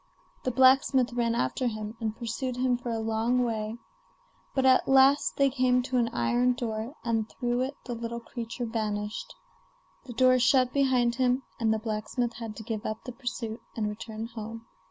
The blacksmith ran after him, and pursued him for a long way; but at last they came to an iron door, and through it the little creature vanished. The door shut behind him, and the blacksmith had to give up the pursuit and return home.